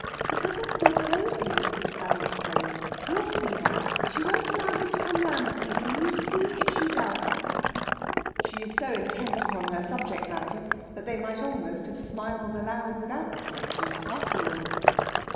"Because of poor Prosy," Sally explains. "You'll see now. She won't allow him to come round this evening, you see if she does!" She is so intent upon her subject matter that they might almost have smiled aloud without detection, after all.